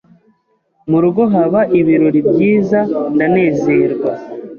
mu rugo, haba ibirori byiza ndanezerwa